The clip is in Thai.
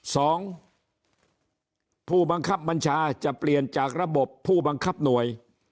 สองผู้บังคับบัญชาจะเปลี่ยนจากระบบผู้บังคับหน่วย